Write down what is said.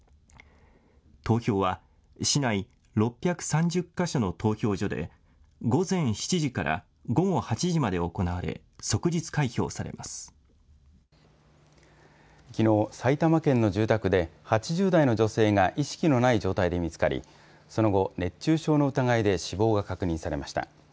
投票は市内６３０か所の投票所で、午前７時から午後８時まで行われ、きのう、埼玉県の住宅で、８０代の女性が意識のない状態で見つかり、その後、熱中症の疑いで死亡が確認されました。